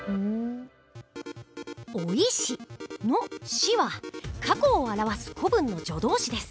「追いし」の「し」は過去を表す古文の助動詞です。